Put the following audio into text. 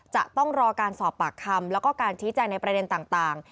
จะต้องรอการสอบปากคำแล้วก็การชี้แจงในประเด็นต่าง